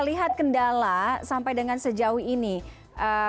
lihat kendala sampai dengan sejauhnya